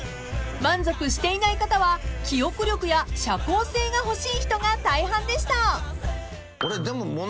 ［満足していない方は記憶力や社交性が欲しい人が大半でした］